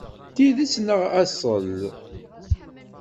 D tidet neɣ aṣṣel?